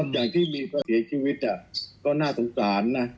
อย่างที่ลีก็เสียชีวิตก็น่าสงสารนะ